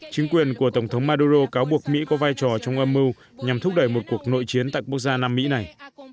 chính quyền của tổng thống maduro cáo buộc mỹ có vai trò trong âm mưu nhằm thúc đẩy một cuộc nội chiến tại quốc gia nam mỹ này